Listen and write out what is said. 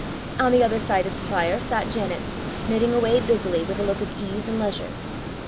On the other side of the fire sat Janet, knitting away busily, with a look of ease and leisure.